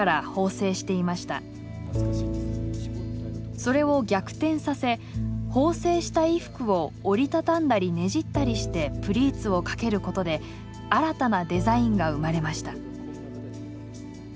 それを逆転させ縫製した衣服を折り畳んだりねじったりしてプリーツをかけることで新たなデザインが生まれました。